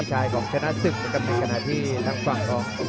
พี่ชัยของชนะศึกเป็นกำลังที่ทางฝั่ง